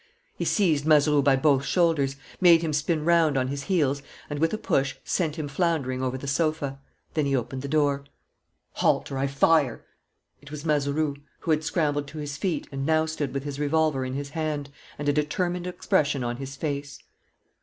He seized Mazeroux by both shoulders, made him spin round on his heels and, with a push, sent him floundering over the sofa. Then he opened the door. "Halt, or I fire!" It was Mazeroux, who had scrambled to his feet and now stood with his revolver in his hand and a determined expression on his face.